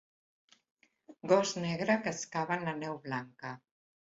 Gos negre que excava en la neu blanca.